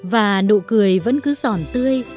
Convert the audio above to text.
và nụ cười vẫn cứ giòn tươi